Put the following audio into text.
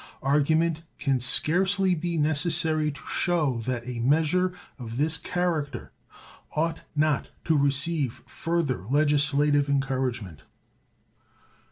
Argument can scarcely be necessary to show that a measure of this character ought not to receive further legislative encouragement.